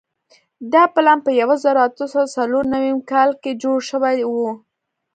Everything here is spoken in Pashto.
دا پلان په یوه زرو اتو سوو څلور نوېم کال کې جوړ شوی وو.